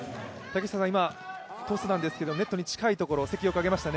竹下さん、今のトスなんですけど、ネットに近いところ、関。